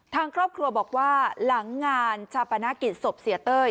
ทางครอบครัวบอกว่าหลังงานชาปนกิจศพเสียเต้ย